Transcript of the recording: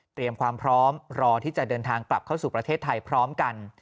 ความพร้อมรอที่จะเดินทางกลับเข้าสู่ประเทศไทยพร้อมกัน